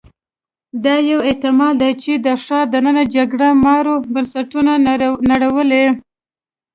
دا یو احتمال دی چې د ښار دننه جګړه مارو بنسټونه نړولي